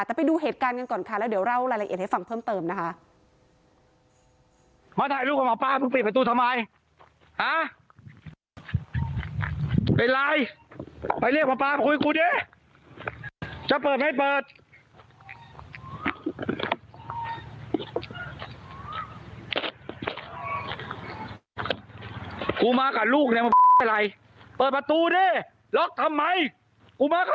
แต่ไปดูเหตุการณ์กันก่อนค่ะแล้วเดี๋ยวเล่ารายละเอียดให้ฟังเพิ่มเติมนะคะ